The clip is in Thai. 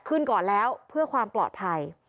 ขึ้นก่อนแล้วเพื่อความปลอดภัย